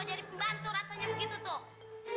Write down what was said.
jadi pembantu rasanya begitu tuh